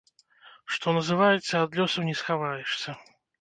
Што называецца, ад лёсу не схаваешся.